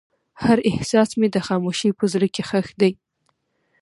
هر احساس مې د خاموشۍ په زړه کې ښخ دی.